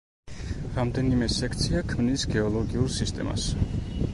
რამდენიმე სექცია ქმნის გეოლოგიურ სისტემას.